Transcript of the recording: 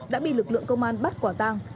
đã bị lực lượng công an bắt quả tăng